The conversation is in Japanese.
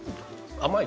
甘い？